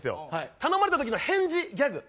頼まれた時の返事ギャグ。